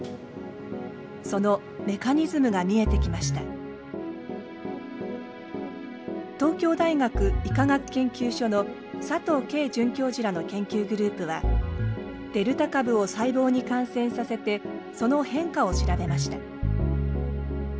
その東京大学医科学研究所の佐藤佳准教授らの研究グループはデルタ株を細胞に感染させてその変化を調べました。